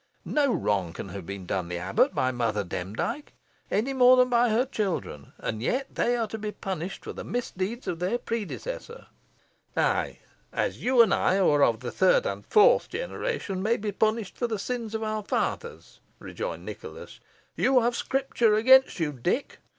No wrong can have been done the abbot by Mother Demdike, any more than by her children, and yet they are to be punished for the misdeeds of their predecessor." "Ay, just as you and I, who are of the third and fourth generation, may be punished for the sins of our fathers," rejoined Nicholas. "You have Scripture against you, Dick.